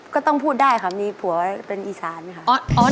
ก็ต้องพูดได้ค่ะมีผัวเป็นอีสานค่ะ